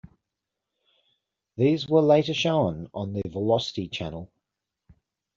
These were later shown on the Velocity channel.